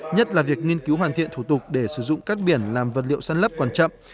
nhất là việc nghiên cứu hoàn thiện thủ tục để sử dụng cắt biển làm vật liệu săn lấp còn chậm